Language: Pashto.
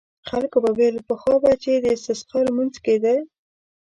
خلکو به ویل پخوا به چې د استسقا لمونځ کېده.